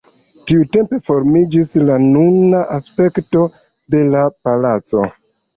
Tiutempe formiĝis la nuna aspekto de la palaco.